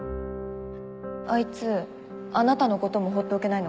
いつあなたのことも放っておけない